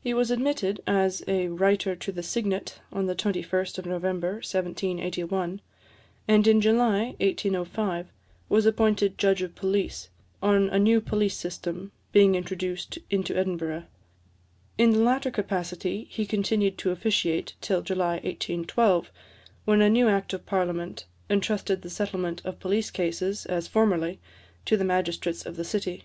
He was admitted as a Writer to the Signet on the 21st of November 1781; and in July 1805 was appointed Judge of Police, on a new police system being introduced into Edinburgh. In the latter capacity he continued to officiate till July 1812, when a new Act of Parliament entrusted the settlement of police cases, as formerly, to the magistrates of the city.